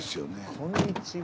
こんにちは。